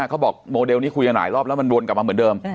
เขาบอกโมเดลนี้คุยกันหลายรอบแล้วมันวนกลับมาเหมือนเดิม